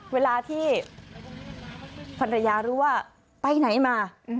เวลาที่ภรรยารู้ว่าไปไหนมา